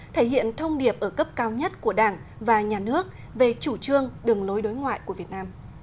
thể hiện thông điệp ở cấp cao nhất của đảng và nhà nước về chủ trương đường lối đối ngoại của việt nam